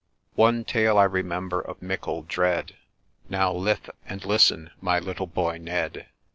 One tale I remember of mickle dread — Now lithe and listen, my little boy Ned